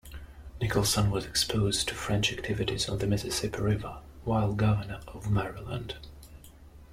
Nicholson was exposed to French activities on the Mississippi River while governor of Maryland.